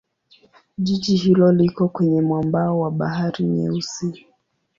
Jiji hilo liko kwenye mwambao wa Bahari Nyeusi.